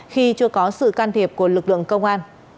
khi chưa có sự can thiệp của lực lượng công an